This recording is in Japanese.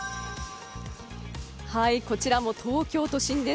こちら東京都心です。